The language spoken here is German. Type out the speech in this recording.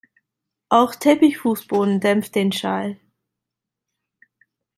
Auch Teppichfußboden dämpft den Schall.